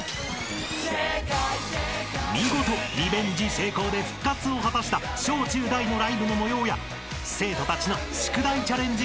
成功で復活を果たした小中大のライブの模様や生徒たちの宿題チャレンジ